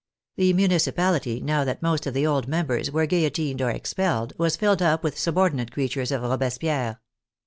The municipality, now that most of the old members were guillotined or expelled, was filled up with subordinate creatures of Robespierre.